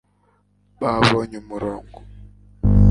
babonye umurongo